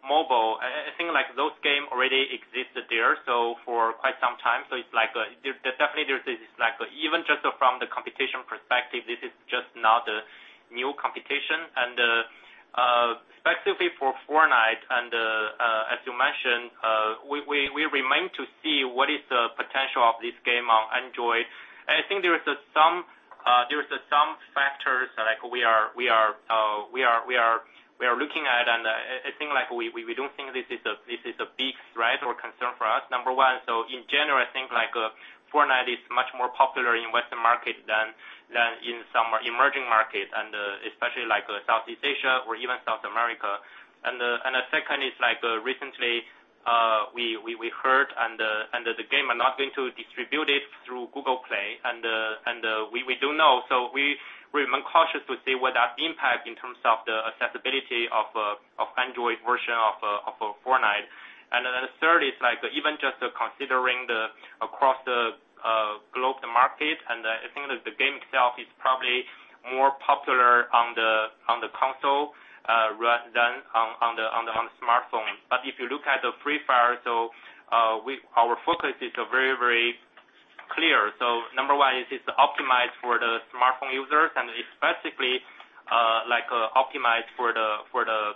Mobile. I think those game already existed there for quite some time. Definitely, even just from the competition perspective, this is just not a new competition. Specifically for Fortnite, and as you mentioned, we remain to see what is the potential of this game on Android. I think there is some factors we are looking at, and I think we don't think this is a big threat or concern for us. Number one, in general, I think Fortnite is much more popular in Western market than in some emerging markets, and especially like Southeast Asia or even South America. The second is recently, we heard and the game are not going to distribute it through Google Play. And we do know. So we remain cautious to see what that impact in terms of the accessibility of Android version of Fortnite. The third is even just considering across the globe, the market, and I think that the game itself is probably more popular on the console than on the smartphone. But if you look at Free Fire, so our focus is very clear. Number one, it is optimized for the smartphone users, and it's specifically optimized for the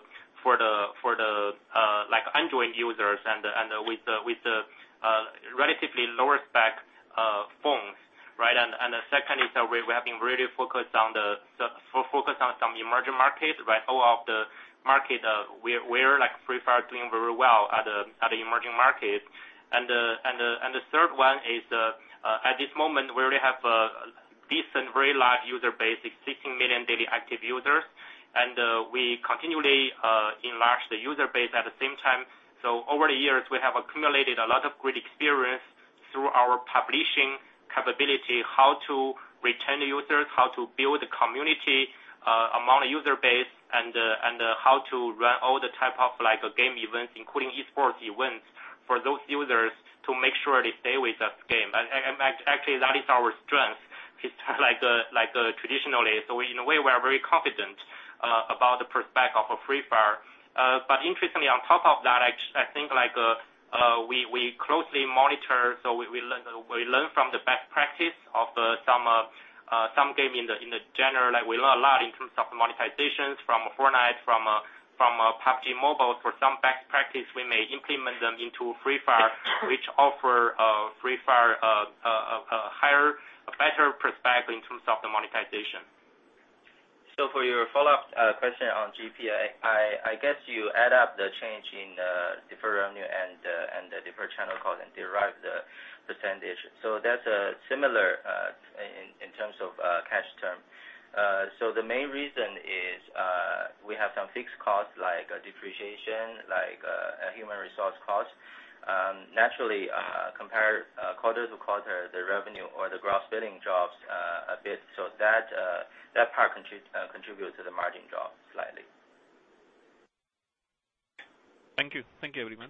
Android users and with the relatively lower spec phones The second is that we have been really focused on some emerging markets. All of the markets where Free Fire is doing very well are the emerging markets. The third one is, at this moment, we already have a decent, very large user base, 16 million daily active users. And we continually enlarge the user base at the same time. Over the years, we have accumulated a lot of great experience through our publishing capability, how to retain users, how to build community among user base, and how to run all the type of game events, including esports events, for those users to make sure they stay with that game. Actually, that is our strength, traditionally. In a way, we are very confident about the prospect of Free Fire. But interestingly, on top of that, I think we closely monitor, so we learn from the best practice of some game in the general. We learn a lot in terms of monetizations from Fortnite, from PUBG Mobile. For some best practice, we may implement them into Free Fire, which offer Free Fire a better prospect in terms of the monetization. For your follow-up question on GPA, I guess you add up the change in deferred revenue and the deferred channel call and derive the percentage. That's similar in terms of cash term. The main reason is we have some fixed costs, like depreciation, like human resource costs. Naturally, compare quarter-to-quarter, the revenue or the gross billing drops a bit. That part contributes to the margin drop slightly. Thank you. Thank you, everyone.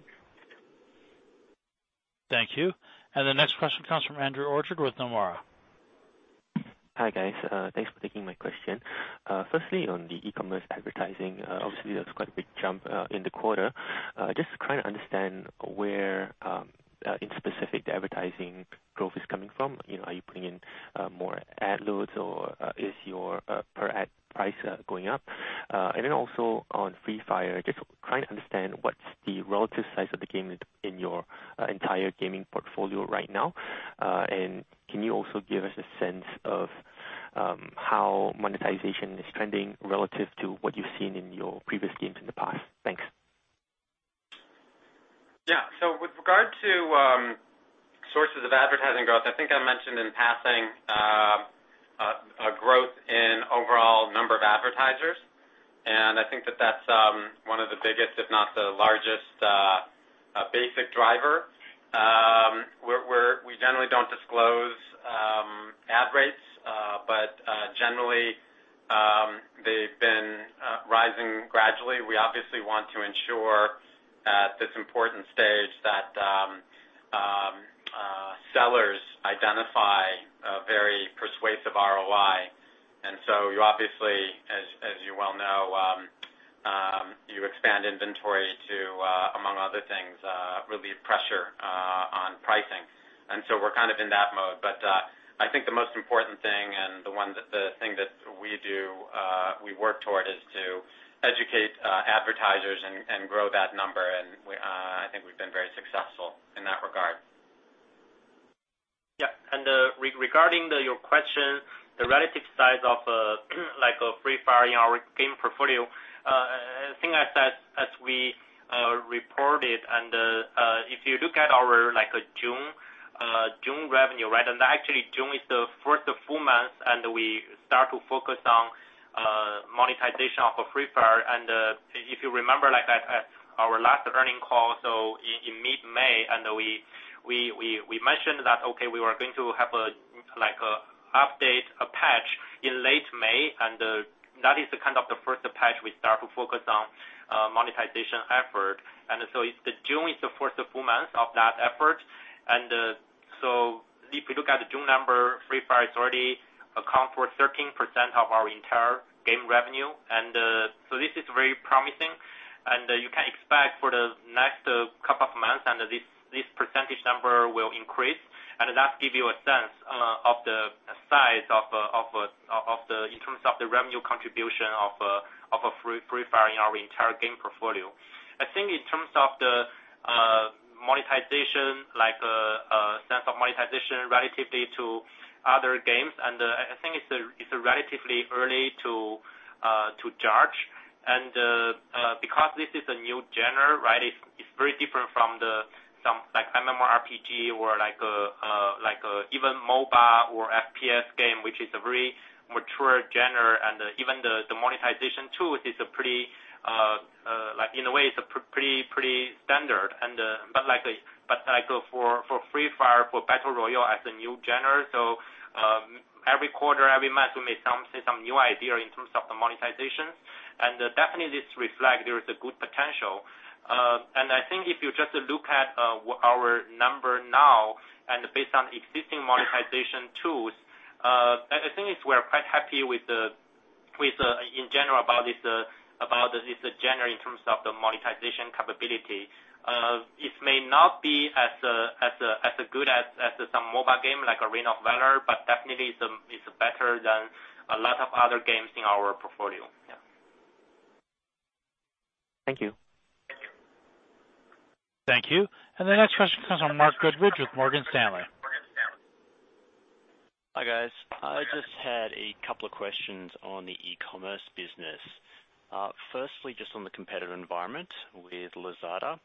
Thank you. The next question comes from Andrew Orchard with Nomura. Hi, guys. Thanks for taking my question. Firstly, on the e-commerce advertising, obviously, that's quite a big jump in the quarter. Just trying to understand where, in specific, the advertising growth is coming from. Are you bringing in more ad loads or is your per ad price going up? Then also on Free Fire, just trying to understand what's the relative size of the game in your entire gaming portfolio right now. Can you also give us a sense of how monetization is trending relative to what you've seen in your previous games in the past? Thanks. Yeah. With regard to sources of advertising growth, I think I mentioned in passing a growth in overall number of advertisers, and I think that that's one of the biggest, if not the largest, basic driver. We generally don't disclose ad rates, but generally, they've been rising gradually. We obviously want to ensure at this important stage that sellers identify a very persuasive ROI. You obviously, as you well know, you expand inventory to among other things, relieve pressure on pricing. We're kind of in that mode. I think the most important thing, and the thing that we work toward is to educate advertisers and grow that number. I think we've been very successful in that regard. Yeah. Regarding your question, the relative size of Free Fire in our game portfolio. I think as we reported, if you look at our June revenue. Actually, June is the first full month, and we start to focus on monetization of Free Fire. If you remember, at our last earnings call, in mid-May, we mentioned that, okay, we were going to have an update, a patch in late May, and that is the first patch we start to focus on monetization effort. June is the first full month of that effort. If you look at the June number, Free Fire is already account for 13% of our entire game revenue. This is very promising, and you can expect for the next couple of months, this percentage number will increase. That give you a sense of the size in terms of the revenue contribution of Free Fire in our entire game portfolio. I think in terms of monetization, like sense of monetization relatively to other games, I think it's relatively early to judge. Because this is a new genre, it's very different from some MMORPG or even mobile or FPS game, which is a very mature genre. Even the monetization tool, in a way, it's pretty standard. For Free Fire, for battle royale as a new genre, every quarter, every month, we may see some new idea in terms of the monetization. Definitely this reflect there is a good potential. I think if you just look at our number now and based on existing monetization tools, I think we're quite happy in general about this genre in terms of the monetization capability. It may not be as good as some mobile game like Arena of Valor, definitely it's better than a lot of other games in our portfolio. Thank you. Thank you. The next question comes from Mark Goodridge with Morgan Stanley. Hi, guys. I just had a couple of questions on the e-commerce business. Firstly, just on the competitive environment with Lazada.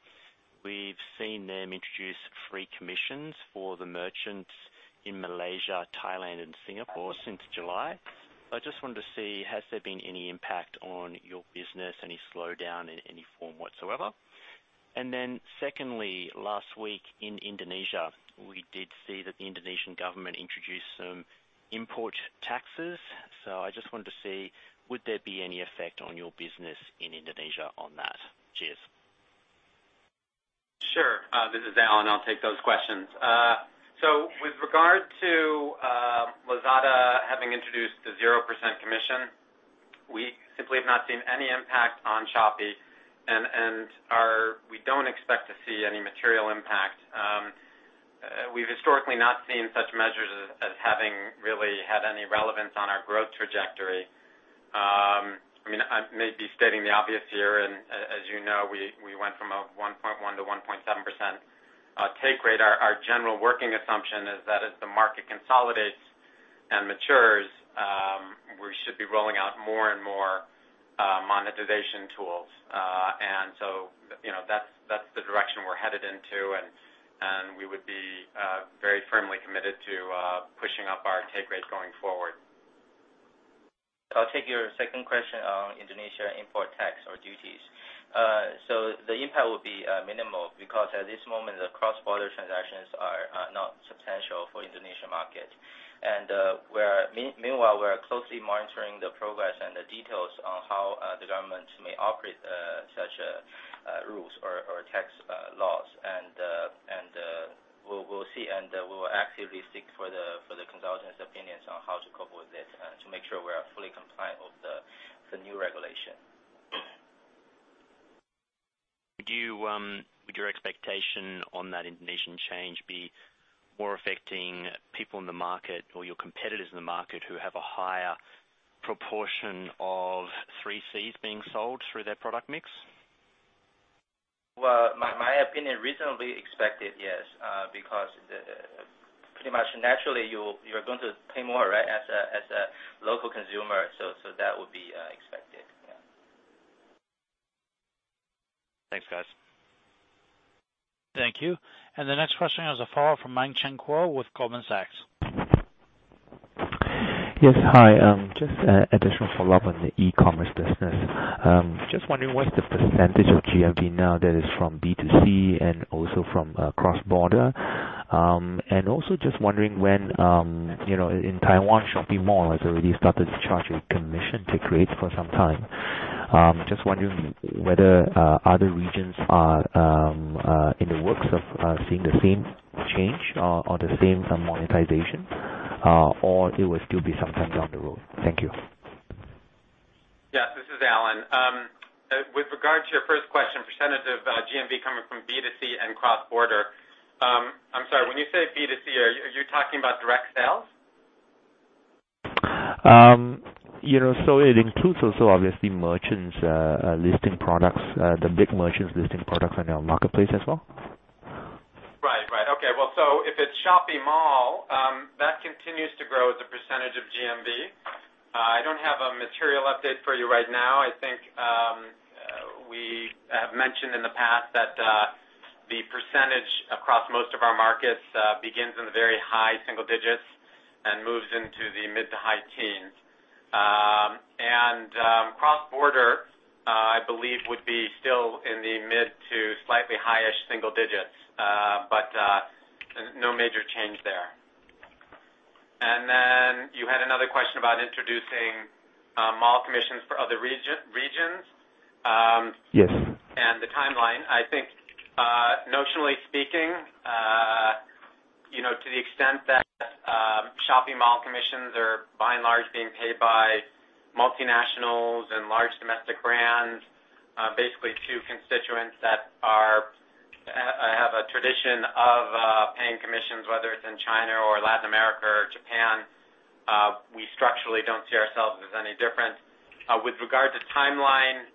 We've seen them introduce free commissions for the merchants in Malaysia, Thailand, and Singapore since July. I just wanted to see, has there been any impact on your business, any slowdown in any form whatsoever? Secondly, last week in Indonesia, we did see that the Indonesian government introduced some import taxes. I just wanted to see, would there be any effect on your business in Indonesia on that? Cheers. Sure. This is Alan. I'll take those questions. With regard to Lazada having introduced a 0% commission, we simply have not seen any impact on Shopee, and we don't expect to see any material impact. We've historically not seen such measures as having really had any relevance on our growth trajectory. I may be stating the obvious here, and as you know, we went from a 1.1% to 1.7% take rate. Our general working assumption is that as the market consolidates and matures, we should be rolling out more and more monetization tools. That's the direction we're headed into and we would be very firmly committed to pushing up our take rate going forward. I'll take your second question on Indonesia import tax or duties. The impact will be minimal because at this moment, the cross-border transactions are not substantial for Indonesian market. Meanwhile, we are closely monitoring the progress and the details on how the government may operate such rules or tax laws. We'll see. We will actively seek for the consultants' opinions on how to cope with this to make sure we are fully compliant with the new regulation. Would your expectation on that Indonesian change be more affecting people in the market or your competitors in the market who have a higher proportion of 3Cs being sold through their product mix? Well, my opinion, reasonably expected, yes. Pretty much naturally, you're going to pay more, right, as a local consumer, so that would be expected, yeah. Thanks, guys. Thank you. The next question is a follow-up from Mang Chen Khor with Goldman Sachs. Yes. Hi. Just additional follow-up on the e-commerce business. Just wondering what's the percentage of GMV now that is from B2C and also from cross-border. Also just wondering when, in Taiwan, Shopee Mall has already started to charge a commission to create for some time. Just wondering whether other regions are in the works of seeing the same change or the same monetization, or it will still be some time down the road. Thank you. Yes. This is Alan. With regard to your first question, percentage of GMV coming from B2C and cross-border. I'm sorry, when you say B2C, are you talking about direct sales? It includes also obviously merchants listing products, the big merchants listing products on your marketplace as well. Right. Okay. If it's Shopee Mall, that continues to grow as a percentage of GMV. I don't have a material update for you right now. We have mentioned in the past that the percentage across most of our markets begins in the very high single digits and moves into the mid to high teens. Cross-border, I believe would be still in the mid to slightly highish single digits. No major change there. You had another question about introducing mall commissions for other regions. Yes. The timeline, I think, notionally speaking, to the extent that Shopee Mall commissions are by and large being paid by multinationals and large domestic brands, basically two constituents that have a tradition of paying commissions, whether it's in China or Latin America or Japan. We structurally don't see ourselves as any different. With regard to timeline,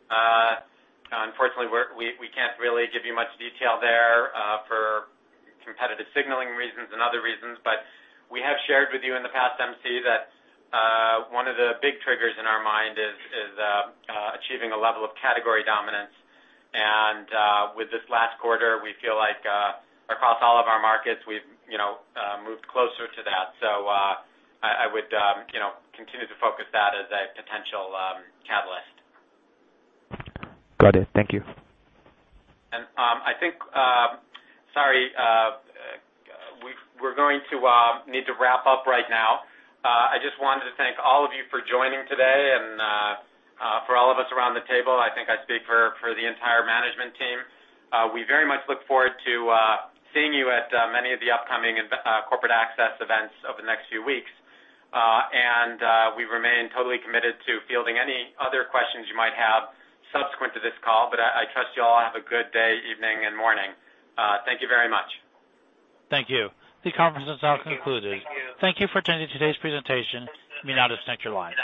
unfortunately, we can't really give you much detail there for competitive signaling reasons and other reasons. We have shared with you in the past, MC, that one of the big triggers in our mind is achieving a level of category dominance. With this last quarter, we feel like across all of our markets, we've moved closer to that. I would continue to focus that as a potential catalyst. Got it. Thank you. Sorry, we're going to need to wrap up right now. I just wanted to thank all of you for joining today and for all of us around the table. I think I speak for the entire management team. We very much look forward to seeing you at many of the upcoming corporate access events over the next few weeks. We remain totally committed to fielding any other questions you might have subsequent to this call. I trust you all have a good day, evening, and morning. Thank you very much. Thank you. This conference is now concluded. Thank you for attending today's presentation. You may now disconnect your line.